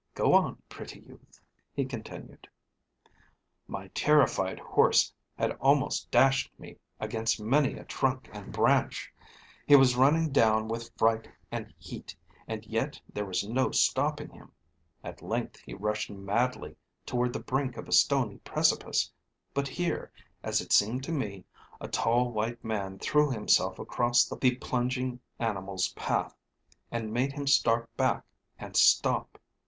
Go on, pretty youth." He continued: "My terrified horse had almost dashed me against many a trunk and branch; he was running down with fright and heat, and yet there was no stopping him. At length he rushed madly toward the brink of a stony precipice; but here, as it seemed to me, a tall white man threw himself across the plunging animal's path, and made him start back, and stop.